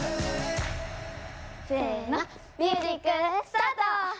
せの！